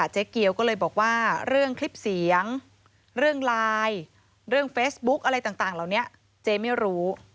เจ๊เกียวก็เลยบอกว่าเรื่องคลิปเสียงเรื่องไลน์เรื่องเฟซบุ๊กอะไรต่างเหล่านี้เจ๊ไม่รู้